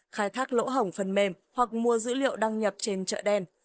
khai thác lỗ hổng phần mềm hoặc mua dữ liệu đăng nhập trên chợ đen